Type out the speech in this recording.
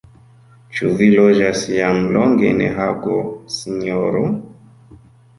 Ĉu vi loĝas jam longe en Hago, sinjoro?